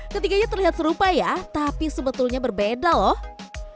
ketiganya terlihat serupa ya tapi sebetulnya berbeda loh